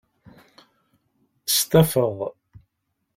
Stafeɣ.